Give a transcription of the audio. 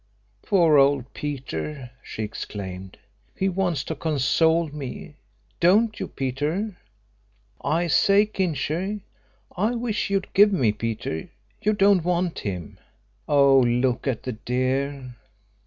"Poor old Peter!" she exclaimed. "He wants to console me! don't you, Peter? I say, Kincher, I wish you'd give me Peter; you don't want him. Oh, look at the dear!"